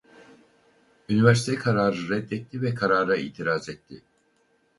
Üniversite kararı reddetti ve karara itiraz etti.